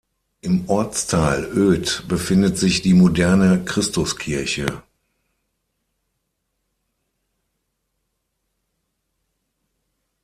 Im Ortsteil Oed befindet sich die moderne Christuskirche.